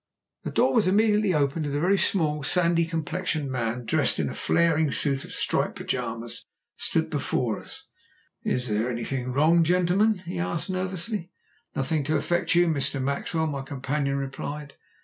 The door was immediately opened, and a very small sandy complexioned man, dressed in a flaring suit of striped pyjamas, stood before us. "Is anything wrong, gentlemen?" he asked nervously. "Nothing to affect you, Mr. Maxwell," my companion replied.